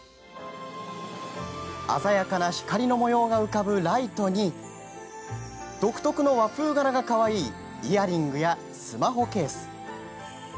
鮮やかな光の模様が浮かぶライトに独特の和風柄がかわいいイヤリングやスマホケース。